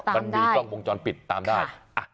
มันมีกล้องวงจรปิดตามได้